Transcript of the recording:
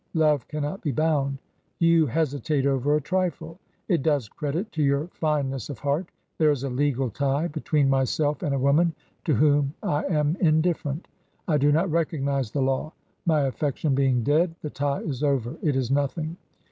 Love cannot be bound. You hesitate over a trifle. It does credit to your fineness of heart. There is a legal tie between myself and a woman to whom I am indifferent. I do not recognise the Law. My affection being dead, the tie is over. It is nothing."